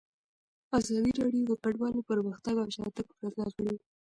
ازادي راډیو د کډوالو پرمختګ او شاتګ پرتله کړی.